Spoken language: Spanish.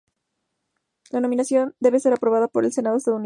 La nominación debía ser aprobada por el Senado estadounidense.